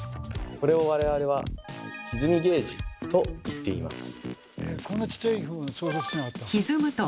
これを我々は「ひずみゲージ」と言っています。